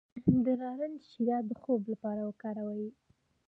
د نارنج شیره د خوب لپاره وکاروئ